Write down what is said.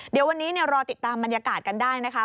เดี๋ยววันนี้รอติดตามบรรยากาศกันได้นะคะ